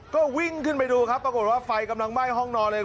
ก็วิ่งขึ้นไปดูครับปรากฏว่าไฟกำลังไหม้ห้องนอนเลย